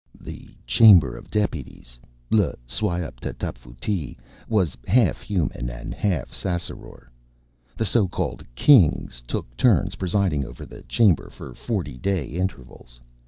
The Chamber of Deputies L'Syawp t' Tapfuti was half Human and half Ssassaror. The so called Kings took turns presiding over the Chamber for forty day intervals.